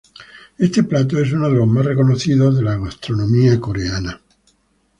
Este plato es uno de los más reconocidos de la gastronomía coreana.